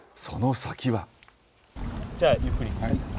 じゃあゆっくり。